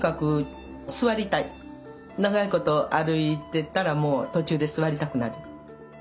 長いこと歩いてたらもう途中で座りたくなる。